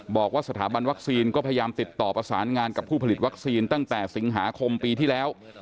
บอกว่าสถาบันวัคซีนก็พยายามติดต่อประสานงานกับผู้ผลิตวัคซีนตั้งแต่สิงหาคมปีที่แล้ว